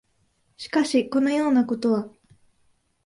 しかし、このようなことは、